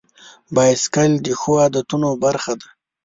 بایسکل د ښو عادتونو برخه ده.